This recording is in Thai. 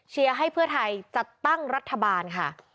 ให้เพื่อไทยจัดตั้งรัฐบาลค่ะ